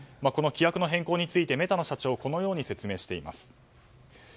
この規約の変更についてメタの社長はこのように説明しています。